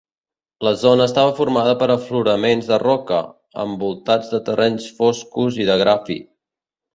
La zona estava formada per afloraments de roca, envoltats de terrenys foscos i de gra fi.